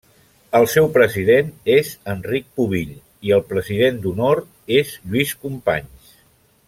El seu president és Enric Pubill, i el president d'honor és Lluís Companys.